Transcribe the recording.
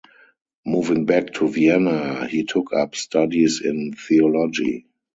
Moving back to Vienna, he took up studies in theology.